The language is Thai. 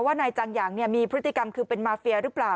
นายจังยังมีพฤติกรรมคือเป็นมาเฟียหรือเปล่า